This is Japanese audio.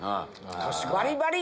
バリバリ！